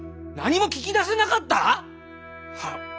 何も聞き出せなかった⁉はっ。